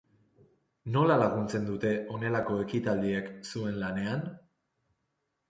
Nola laguntzen dute honelako ekitaldiek zuen lanean?